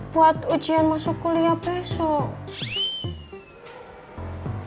buat ujian masuk kuliah besok